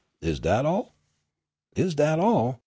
Is dat all?" "Is dat all!"